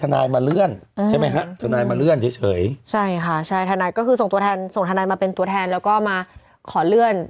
นายมาเลื่อนใช่ไหมฮะทนายมาเลื่อนเฉยใช่ค่ะใช่ทนายก็คือส่งตัวแทนส่งทนายมาเป็นตัวแทนแล้วก็มาขอเลื่อน